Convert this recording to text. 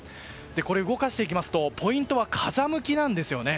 動かしていきますとポイントは風向きなんですよね。